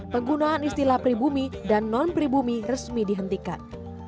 penggunaan istilah pribumi dan non pribumi resmi dihentikan